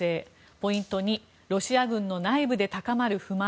ポイント２ロシア軍の内部で高まる不満。